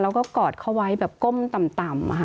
เราก็กอดเขาไว้แบบก้มต่ำค่ะ